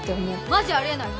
マジありえない。